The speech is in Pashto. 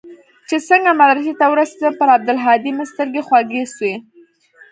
چې څنگه مدرسې ته ورسېدم پر عبدالهادي مې سترګې خوږې سوې.